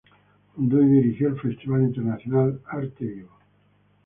Fundó y dirige el Festival Internacional Arte Vivo.